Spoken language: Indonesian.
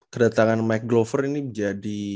kedatangan mike glover ini jadi